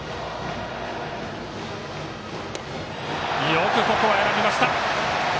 よくここは選びました。